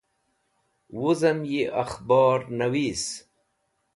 Wuzem yi Akhbor Nawees